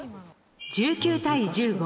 １９対１５。